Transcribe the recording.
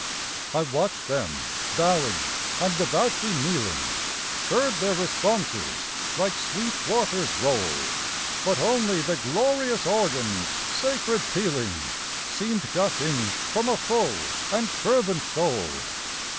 I watched them bowing and devoutly kneeling, Heard their responses like sweet waters roll But only the glorious organ's sacred pealing Seemed gushing from a full and fervent soul.